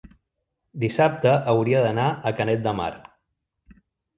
dissabte hauria d'anar a Canet de Mar.